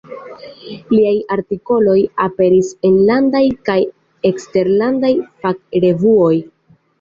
Liaj artikoloj aperis enlandaj kaj eksterlandaj fakrevuoj.